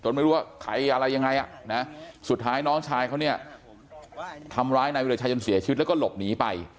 แล้วเราว่าใครอะไรยังไงนะสุดท้ายน้องชายเขาเนี่ยทำร้ายในการเสียชีวิตแล้วก็หลบหนีไป